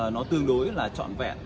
nó tương đối là trọn vẹn